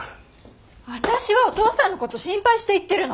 私はお父さんの事心配して言ってるの！